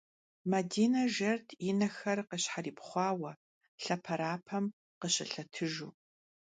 Madine jjert yi nexer khışheripxhuare, lheperapem khışılhetıjju.